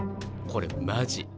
これマジ。